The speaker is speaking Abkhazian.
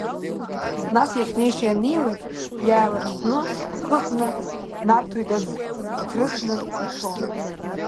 Нас иахьнеиша ианнеилак, иааилацәҟәны, ҳхыхны ҳнарҭоит аӡ иҭрысны ицо!